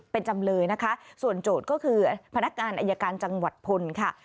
เป็นจำเลยนะคะส่วนโจทย์ก็คือพนักงานอายการจังหวัดพลค่ะ